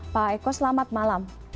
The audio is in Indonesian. pak eko selamat malam